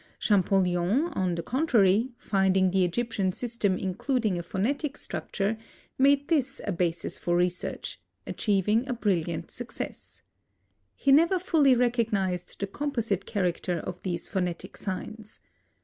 Champollion, on the contrary, finding the Egyptian system including a phonetic structure, made this a basis for research, achieving a brilliant success. He never fully recognized the composite character of these phonetic signs.